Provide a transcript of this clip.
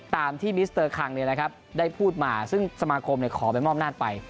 ตามที่มิสเตอร์คังเนี่ยนะครับได้พูดมาซึ่งสมาคมเนี่ยขอแบบม่ออำนาจไป